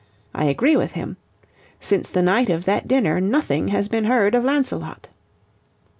I agree with him. Since the night of that dinner nothing has been heard of Lancelot."